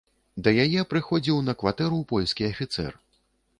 Да яе прыходзіў на кватэру польскі афіцэр.